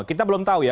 kita belum tahu ya